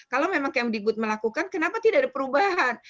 kalau memang kem dikut melakukan kenapa tidak ada perubahan